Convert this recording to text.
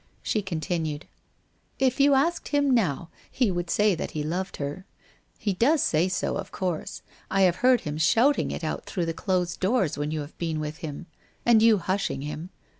She continued: ' If you asked him now he would say that he loved her. He does say so, of course. I have heard him shouting it out through the closed door when you have been with him. And you hushing him.